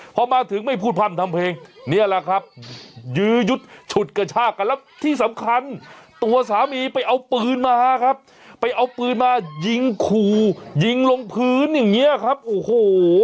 พอมาถึงไม่พูดพร่ำทำเพลงนี่แหละครับยื้อยุดฉุดกระชากันแล้วที่สำคัญตัวสามีไปเอาปืนมาครับไปเอาปืนมายิงขู่ยิงลงพื้นอย่างเงี้ยครับโอ้โห